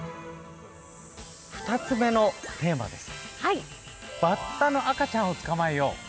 ２つ目のテーマです。